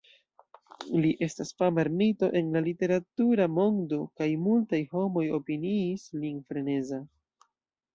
Li estas fama ermito en la literatura mondo, kaj multaj homoj opiniis lin freneza.